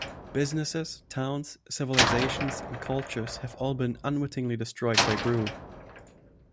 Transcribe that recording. Businesses, towns, civilizations and cultures have all been unwittingly destroyed by Groo.